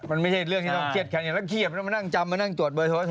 มันไม่ใช่เรื่องที่ต้องเคลียดแขนอย่างนี้